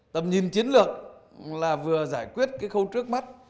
tầm nhìn chiến lược là vừa giải quyết cái khâu trước mắt